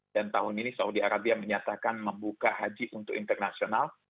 dan tahun ini saudi arabia menyatakan membuka haji untuk internasional